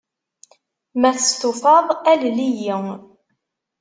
Ma testufaḍ, alel-iyi.